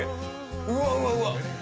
うわうわうわ！